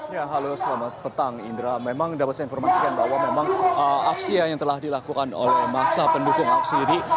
ya halo selamat petang indra memang dapat saya informasikan bahwa memang aksi yang telah dilakukan oleh masa pendukung ahok sendiri